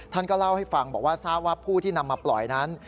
ท่านก็เล่าให้ฟังบอกว่าทราบว่าผู้ที่นำมาปล่อยนั้น